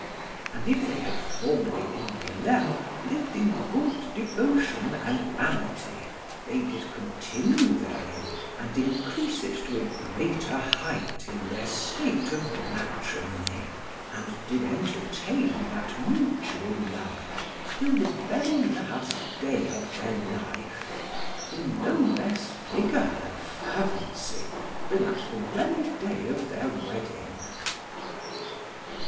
And if they had formerly in Theleme lived in good devotion and amity, they did continue therein and increase it to a greater height in their state of matrimony; and did entertain that mutual love till the very last day of their life, in no less vigour and fervency than at the very day of their wedding.